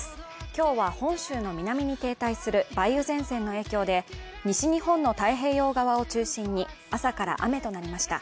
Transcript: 今日は本州の南に停滞する梅雨前線の影響で、西日本の太平洋側を中心に朝から雨となりました。